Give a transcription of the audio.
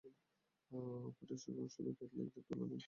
প্রোটেস্টাণ্টদের সঙ্গে ক্যাথলিকদের তুলনা করিয়া দেখ।